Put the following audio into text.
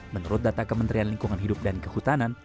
menurut data kementerian lingkungan hidup dan kehutanan